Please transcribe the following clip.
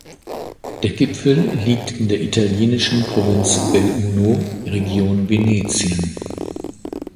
Der Gipfel liegt in der italienischen Provinz Belluno, Region Venetien.